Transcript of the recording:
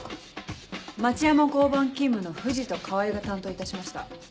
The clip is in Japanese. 町山交番勤務の藤と川合が担当いたしました。